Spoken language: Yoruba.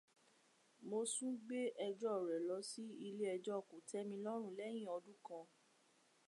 Mosún gbé ẹjọ́ rẹ̀ lọ sí ilé ẹjọ́ kòtẹ́milọ́rùn lẹ́yìn ọdún kan.